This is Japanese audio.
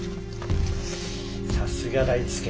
さすが大輔。